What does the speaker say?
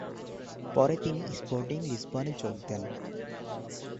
পরে তিনি স্পোর্টিং লিসবনে যোগ দেন।